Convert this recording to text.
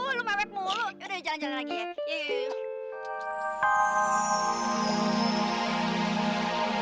aduh jalan jalan lagi ya